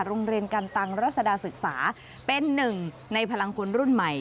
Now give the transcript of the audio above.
โรงเรียนกันตังรัศดาศึกษาเป็นหนึ่งในพลังคนรุ่นใหม่